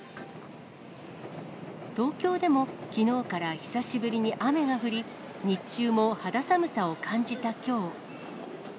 東京でもきのうから久しぶりに雨が降り、日中も肌寒さを感じたきょう。